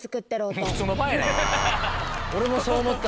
俺もそう思った。